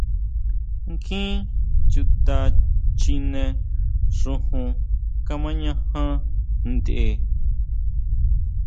Kjín chuta chjine xojon kamañaja ntʼe.